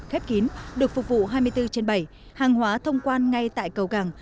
khép kín được phục vụ hai mươi bốn trên bảy hàng hóa thông quan ngay tại cầu gẳng